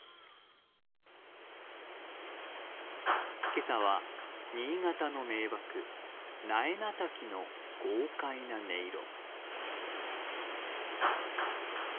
今朝は、新潟の名瀑、苗名滝の豪快な音色。